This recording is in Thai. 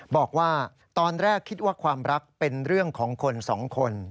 บอกว่าตอนแรกคิดว่าความรักเป็นเรื่องของคนสองคน